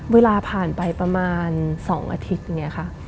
เวลาผ่านไปประมาณ๒อาทิตย์อย่างนี้ค่ะ